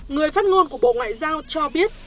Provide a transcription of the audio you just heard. người phát ngôn của bộ ngoại giao cho biết